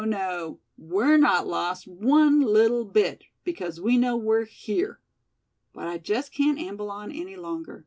no, we're not lost one little bit, because we know we're here. But I just can't amble on any longer.